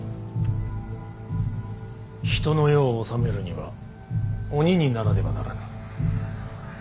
人の世を治めるには鬼にならねばならぬ。